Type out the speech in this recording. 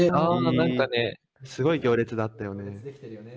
あ何かねすごい行列だったよね。